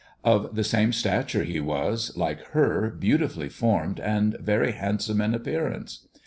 Of the same stature, he was, like her, beautifully formed, and very handsome in appearance.